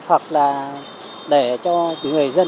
hoặc là để cho người dân